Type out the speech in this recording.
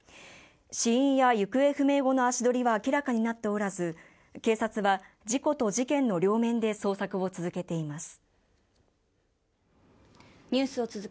死因や行方不明後の足取りは明らかになっておらず警察は事故と事件の両面で捜索を続けています。